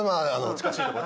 近しいところ！